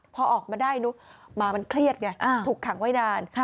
พอออกมาได้เนอะหมามันเครียดไงถูกขังไว้นาน